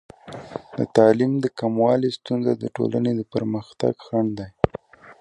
د تعلیم د کموالي ستونزه د ټولنې د پرمختګ خنډ دی.